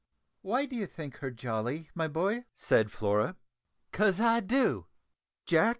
"Why do you think her jolly, my boy?" said Flora. "'Cause I do. She's a old brick!"